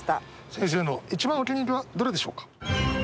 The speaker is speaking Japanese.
先生の一番お気に入りはどれでしょうか？